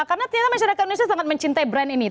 karena ternyata masyarakat indonesia sangat mencintai brand ini